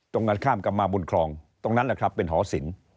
ตรงกันข้ามกลับมาบนคลองตรงนั้นแหละครับเป็นหอศิลป์